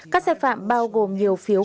các sai phạm bao gồm nhiều phiếu carbon